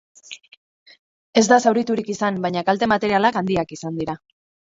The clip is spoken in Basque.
Ez da zauriturik izan, baina kalte materialak handiak izan dira.